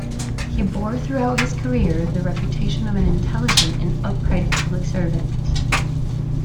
He bore throughout his career the reputation of an intelligent and upright public servant.